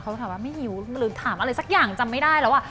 เขาถามว่าไม่หิวหรือถามอะไรสักอย่างจำไม่ได้แล้วอ่ะ